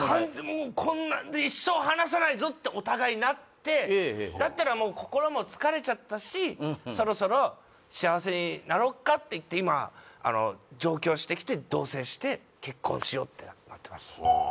もうこんなってお互いなってだったらもう心も疲れちゃったしそろそろ幸せになろっかっていって今上京してきて同棲して結婚しようってなってます